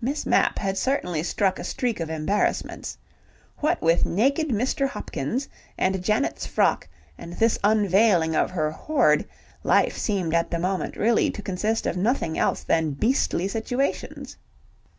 Miss Mapp had certainly struck a streak of embarrassments. What with naked Mr. Hopkins, and Janet's frock and this unveiling of her hoard, life seemed at the moment really to consist of nothing else than beastly situations.